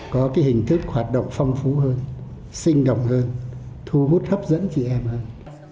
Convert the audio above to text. có cái hình thức hoạt động phong phú hơn sinh động hơn thu hút hấp dẫn chị em hơn